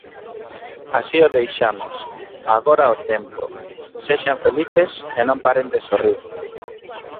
Así o deixamos, agora o tempo, sexan felices e non paren de sorrir.